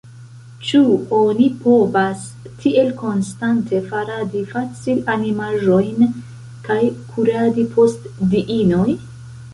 Ĉu oni povas tiel konstante faradi facilanimaĵojn kaj kuradi post diinoj?